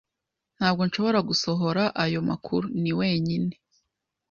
Ntabwo nshobora gusohora ayo makuru. Ni wenyine.